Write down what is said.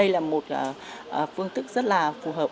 là một phương tức rất là phù hợp